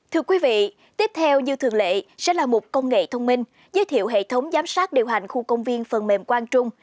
thưa quý vị tiếp theo như thường lệ sẽ là một công nghệ thông minh giới thiệu hệ thống giám sát điều hành khu công viên phần mềm quang trung